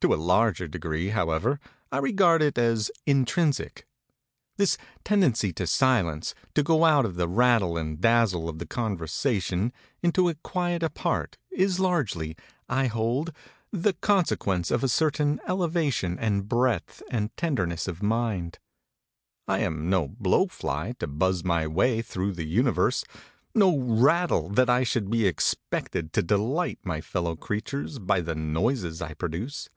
To a larger degree, however, I regard it as intrinsic. This tendency to silence, to go out of the rattle and dazzle of the conversation into a quiet apart, is largely, I hold, the consequence of a certain elevation and breadth and tenderness of mind; I am no blowfly to buzz my way through the universe, no rattle that I should be expected to delight my fellow creatures by the noises I produce.